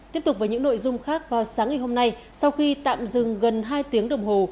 tiếp tục với những nội dung khác vào sáng ngày hôm nay sau khi tạm dừng gần hai tiếng đồng hồ